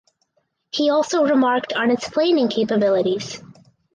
He also remarked on its planing capabilities.